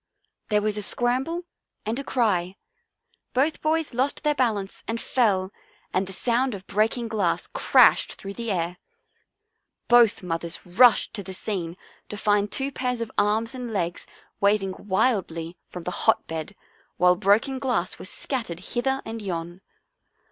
There was a scramble and a cry, both boys lost their balance and fell, and the sound of breaking glass crashed through the air. Both mothers rushed to the scene to find two pairs of arms and legs waving wildly from the On the Way to the " Run " 45 hot bed, while broken glass was scattered hither and yon.